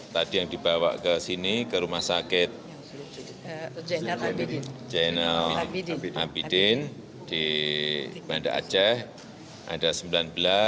tadi yang dibawa ke sini ke rumah sakit zainal ambidin di bandar aceh ada sembilan belas